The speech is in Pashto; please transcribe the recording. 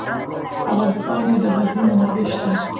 په افغانستان کې د غزني منابع شته.